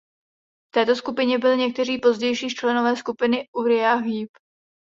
V této skupině byli někteří pozdější členové skupiny Uriah Heep.